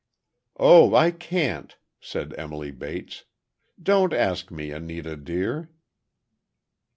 "Oh, I can't," said Emily Bates, "don't ask me, Anita, dear."